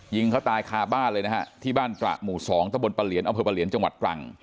ยิงเขาตายคาบ้านเลยนะฮะที่บ้านตระหมู่๒ตะบนปะเหลียนอำเภอประเหลียนจังหวัดตรัง